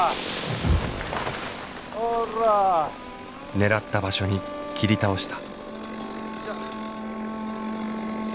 狙った場所に切り倒した。